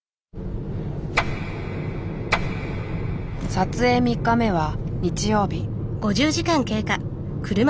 撮影３日目は日曜日。